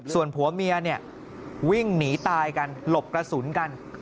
ส่วนผัวเมียเนี่ยวิ่งหนีตายกันหลบกระสุนกัน